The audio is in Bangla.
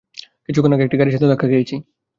কিছুক্ষণ আগে একটি গাড়ীর সাথে ধাক্কা খেয়েছি।